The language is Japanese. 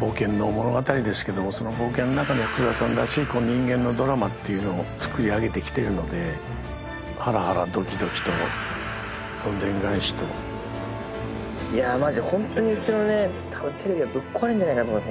冒険の物語ですけどその冒険の中で福澤さんらしい人間のドラマっていうのを作り上げてきてるのでハラハラドキドキとどんでん返しといやマジでホントにうちのねテレビがぶっ壊れんじゃないかなと思います